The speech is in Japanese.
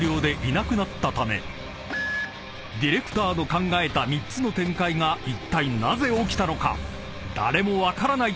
［ディレクターの考えた３つの展開がいったいなぜ起きたのか誰も分からないという緊急事態に。